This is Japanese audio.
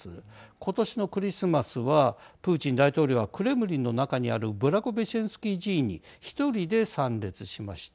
今年のクリスマスはプーチン大統領はクレムリンの中にあるブラゴベシェンスキー寺院に１人で参列しました。